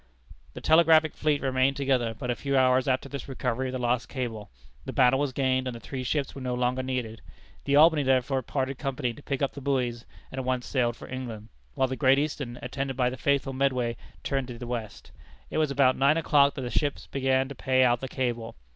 The telegraphic fleet remained together but a few hours after this recovery of the lost cable. The battle was gained, and the three ships were no longer needed. The Albany, therefore, parted company to pick up the buoys, and at once sailed for England, while the Great Eastern, attended by the faithful Medway, turned to the west. It was about nine o'clock that the ship began to pay out the cable.